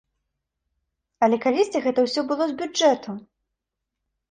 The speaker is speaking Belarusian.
Але калісьці гэта ўсё было з бюджэту!